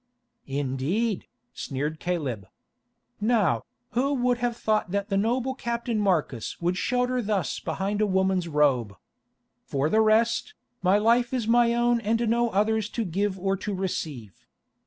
"Indeed," sneered Caleb. "Now, who would have thought that the noble Captain Marcus would shelter thus behind a woman's robe? For the rest, my life is my own and no other's to give or to receive.